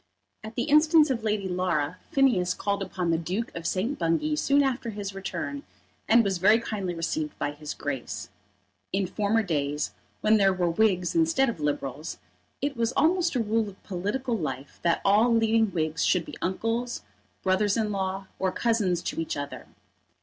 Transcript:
At the instance of Lady Laura, Phineas called upon the Duke of St. Bungay soon after his return, and was very kindly received by his Grace. In former days, when there were Whigs instead of Liberals, it was almost a rule of political life that all leading Whigs should be uncles, brothers in law, or cousins to each other.